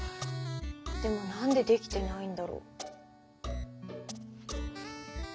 でも何でできてないんだろう。